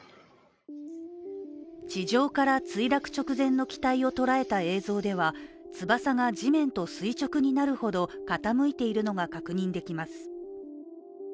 地上から墜落直前の機体を捉えた映像では翼が地面と垂直になるほど傾いているのが確認できます。